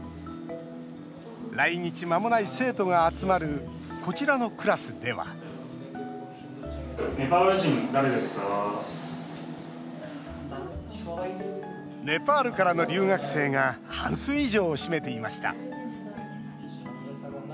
来日まもない生徒が集まるこちらのクラスではネパールからの留学生が半数以上を占めていました。